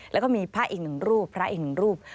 แล้วก็มีพระอีกหนึ่งรูปพระอีกหนึ่งรูป